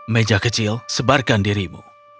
meja kecil sebarkan dirimu